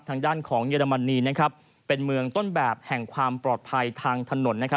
ทางด้านของเยอรมนีเป็นเมืองต้นแบบแห่งความปลอดภัยทางถนน